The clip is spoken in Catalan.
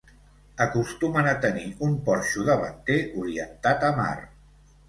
Acostumen a tenir un porxo davanter, orientat a mar.